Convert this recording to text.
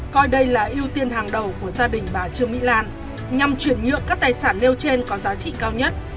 coi đây là ưu tiên hàng đầu của gia đình bà trương mỹ lan nhằm chuyển nhượng các tài sản nêu trên có giá trị cao nhất